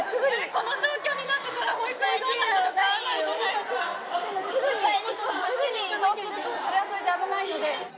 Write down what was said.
この状況になったから保育園すぐに移動すると、それはそれで危ないので。